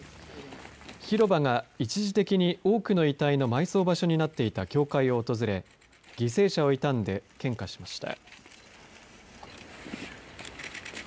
広場が一時的に多くの遺体の埋葬場所になっていた教会を訪れ犠牲者を悼んで献花しました。